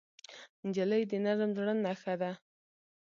نجلۍ د نرم زړه نښه ده.